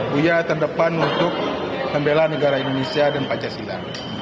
bu ya terdepan untuk membela negara indonesia dan pancasila